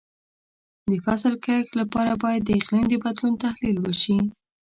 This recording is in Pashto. د فصل کښت لپاره باید د اقلیم د بدلون تحلیل وشي.